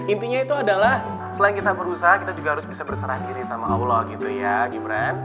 intinya itu adalah selain kita berusaha kita juga harus bisa berserah diri sama allah gitu ya gibran